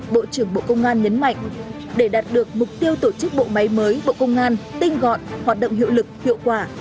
bộ trưởng bộ công an nhấn mạnh để đạt được mục tiêu tổ chức bộ máy mới bộ công an tinh gọn hoạt động hiệu lực hiệu quả